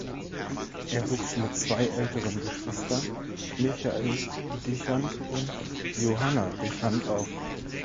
Er wuchs mit zwei älteren Geschwistern: Michael Dichand und Johanna Dichand auf.